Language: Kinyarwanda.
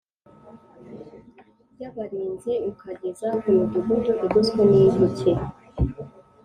y abarinzi ukageza ku midugudu igoswe n inkike